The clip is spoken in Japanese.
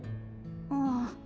うん。